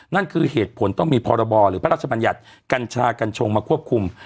นั่นคือเหตุผลต้องมีพรบหรือพระราชบัญญัติกัญชากัญชงมาควบคุม